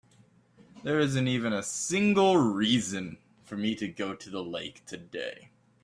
There isn't even a single reason for me to go to the lake today.